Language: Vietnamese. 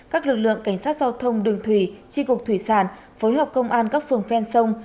các lực lượng cảnh sát giao thông đường thủy tri cục thủy sản phối hợp công an các phường ven sông